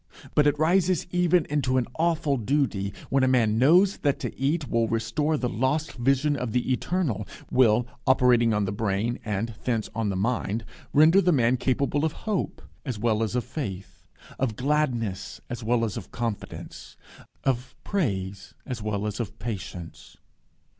But it rises even into an awful duty, when a man knows that to eat will restore the lost vision of the eternal; will, operating on the brain, and thence on the mind, render the man capable of hope as well as of faith, of gladness as well as of confidence, of praise as well as of patience.